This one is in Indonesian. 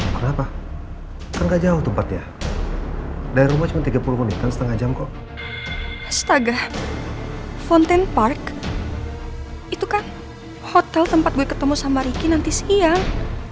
kenapa nggak jauh tempatnya dari rumah cuma tiga puluh menit setengah jam kok astaga fontaine park itu kan hotel tempat ketemu sama riki nanti siang